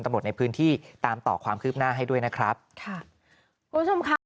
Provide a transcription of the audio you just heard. ประบบในพื้นที่ตามต่อความคืบหน้าให้ด้วยนะครับคุณชม